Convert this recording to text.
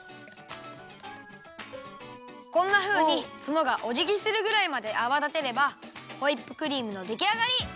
こんなふうにツノがおじぎするぐらいまであわだてればホイップクリームのできあがり！